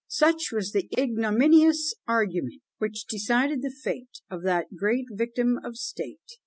Such was the ignominious argument which decided the fate of that great victim of State!